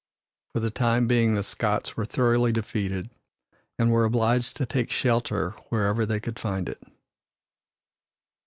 For the time being the Scots were thoroughly defeated, and were obliged to take shelter wherever they could find it.